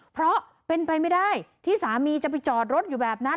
เพราะเป็นไปไม่ได้ที่สามีจะไปจอดรถอยู่แบบนั้น